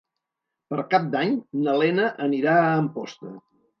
Per Cap d'Any na Lena anirà a Amposta.